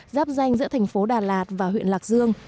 giáp danh giữa thành phố đà lạt và huyện lạc dương